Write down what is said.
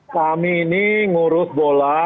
kami ini ngurus bola